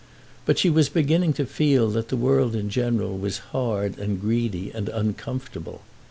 But she was beginning to feel that the world in general was hard and greedy and uncomfortable.